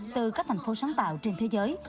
từ các thành phố sáng tạo trên thế giới